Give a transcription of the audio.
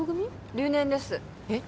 留年ですえっ？